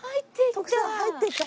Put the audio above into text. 入っていった。